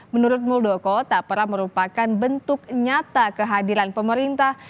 menurut muldoko tak pernah merupakan bentuk nyata kehadiran pemerintah